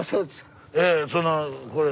ええそのこれや。